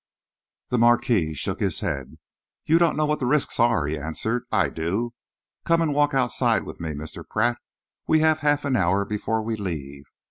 The Marquis shook his head. "You do not know what the risks are," he answered. "I do. Come and walk outside with me, Mr. Pratt. We have half an hour before we leave.